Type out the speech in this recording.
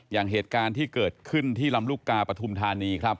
อย่างเหตุการณ์ที่เกิดขึ้นที่ลำลูกกาปฐุมธานีครับ